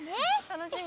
楽しみ。